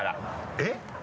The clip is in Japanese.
えっ？